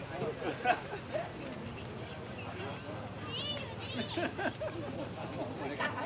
ครูเน่พี่พี่พ่อแล้วปอกดีเดิมพี่พ่อแล้ว